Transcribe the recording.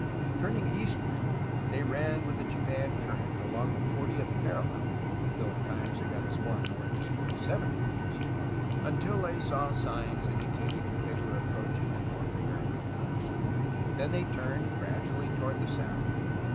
Turning eastward they ran wdth the Japan Current along the fortieth parallel (though at times they got as far north as 47°), until they saw signs indicating that they were approaching the North American coast. Then they turned gradually toward the south.